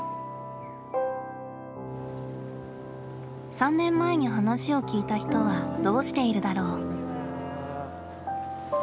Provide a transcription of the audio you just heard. ３年前に話を聞いた人はどうしているだろう。